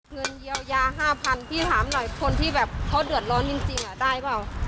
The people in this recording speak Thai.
เงินเยียวยา๕๐๐๐พี่ถามหน่อยคนที่แบบเขาเดือดร้อนจริงได้เปล่า